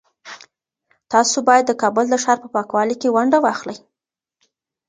تاسو باید د کابل د ښار په پاکوالي کي ونډه واخلئ.